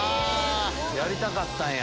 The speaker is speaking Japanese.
やりたかったんや。